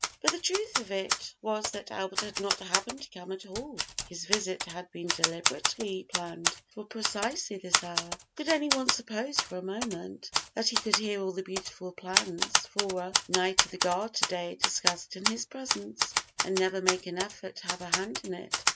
But the truth of it was that Albert had not happened to come at all. His visit had been deliberately planned for precisely this hour. Could any one suppose for a moment, that he could hear all the beautiful plans fora Knight of the Garter day discussed in his presence, and never make an effort to have a hand in it?